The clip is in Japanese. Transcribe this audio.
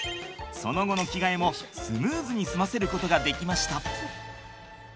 その後の着替えもスムーズに済ませることができました。